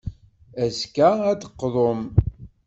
Azekka, ad d-teqḍum.